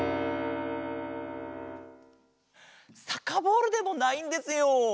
サッカーボールでもないんですよ。